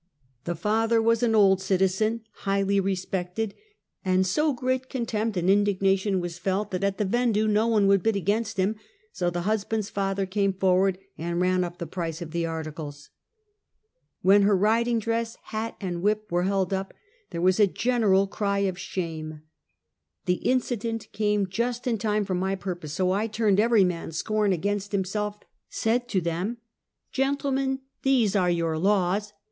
The father was an old citizen, highly respected, and so great contempt and indignation was felt, that at the vendue no one would bid against him, so the husband's father came forward and ran up the price of the articles. When her riding dress, hat and wliip were held up, there was a general cry of shame. The incident came just in time for my purpose, so I turned every man's scorn against himself, said to them: "Gentlemen, these are your laws!